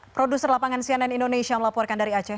produser lapangan cnn indonesia melaporkan dari aceh